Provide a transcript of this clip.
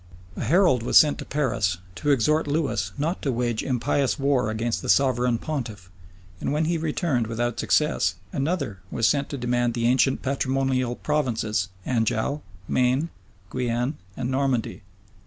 A herald was sent to Paris, to exhort Lewis not to wage impious war against the sovereign pontiff; and when he returned without success, another was sent to demand the ancient patrimonial provinces, Anjou, Maine, Guienne, and Normandy.